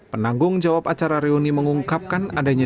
penanggung jawab acara reuni mengungkapkan adanya